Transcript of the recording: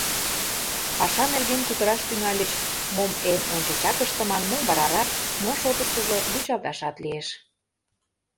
Паша нерген кутыраш тӱҥальыч - мом эн ончычак ыштыман, мом - варарак, мо шотыштыжо вучалташат лиеш...